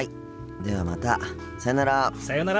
ではまたさよなら。